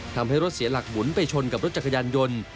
ทำให้รถเสียหลักหมุนไปชนกับรถจักรยานยนต์